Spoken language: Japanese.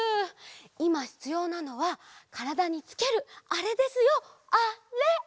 いまひつようなのはからだにつけるあれですよあれ！